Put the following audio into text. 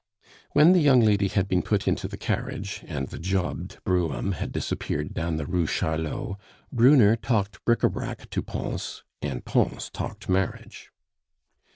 When the young lady had been put into the carriage, and the jobbed brougham had disappeared down the Rue Charlot, Brunner talked bric a brac to Pons, and Pons talked marriage.